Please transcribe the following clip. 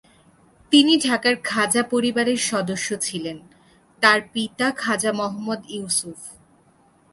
তিনি ঢাকার খাজা পরিবারের সদস্য ছিলেন; তাঁর পিতা খাজা মুহাম্মদ ইউসুফ।